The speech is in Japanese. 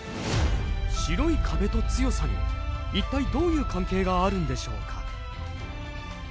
白い壁と強さに一体どういう関係があるんでしょうか？